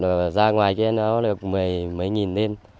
và ra ngoài kia nó được mấy nghìn lên